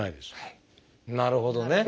なるほどね。